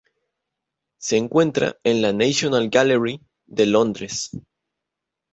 Se encuentra en la National Gallery de Londres.